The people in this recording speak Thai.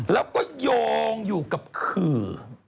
แล้วก็โยงอยู่กับขื่อ